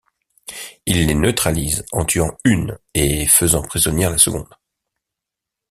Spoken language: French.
Ils les neutralisent, en tuant une, et faisant prisonnière la seconde.